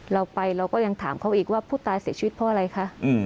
เราไปเราก็ยังถามเขาอีกว่าผู้ตายเสียชีวิตเพราะอะไรคะ